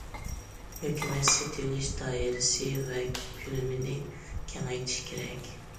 ھۆكۈمەت سېتىۋېلىش دائىرىسى ۋە كۆلىمىنى كېڭەيتىش كېرەك.